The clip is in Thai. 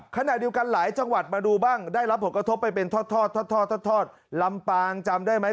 ขณะเดียวกันหลายจังหวัดมาดูบ้างได้รับผลกระทบไปเป็นทอดทอดลำปางจำได้ไหม